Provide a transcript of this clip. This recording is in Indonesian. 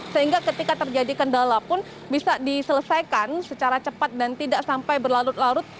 sehingga ketika terjadi kendala pun bisa diselesaikan secara cepat dan tidak sampai berlarut larut